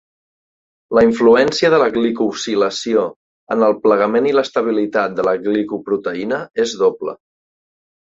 La influència de la glicosilació en el plegament i estabilitat de la glicoproteïna es doble.